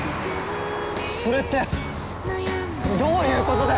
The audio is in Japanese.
それってどういう事だよ！？